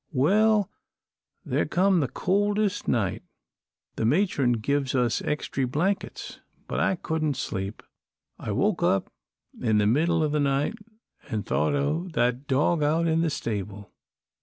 "Well, there come the coldest night. The matron give us extry blankets, but I couldn't sleep. I woke up in the middle o' the night, an' I thought o' that dog out in the stable.